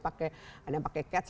ada yang pakai cats